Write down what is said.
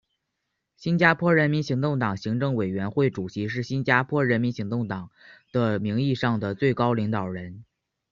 新加坡人民行动党行政委员会主席是新加坡人民行动党的名义上的最高领导人。